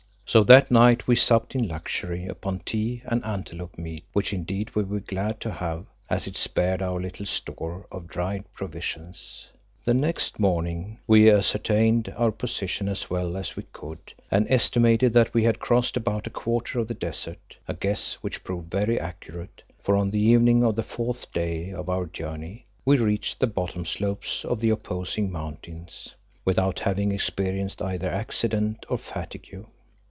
So that night we supped in luxury upon tea and antelope meat, which indeed we were glad to have, as it spared our little store of dried provisions. The next morning we ascertained our position as well as we could, and estimated that we had crossed about a quarter of the desert, a guess which proved very accurate, for on the evening of the fourth day of our journey we reached the bottom slopes of the opposing mountains, without having experienced either accident or fatigue.